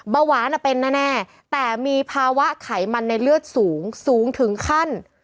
เบาหวานเป็นแน่แต่มีภาวะไขมันในเลือดสูงสูงถึงขั้น